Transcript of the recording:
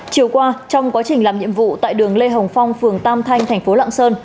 chiều qua trong quá trình làm nhiệm vụ tại đường lê hồng phong phường tam thanh tp lạng sơn